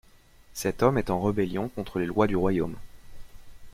Cet homme est en rébellion contre les lois du royaume.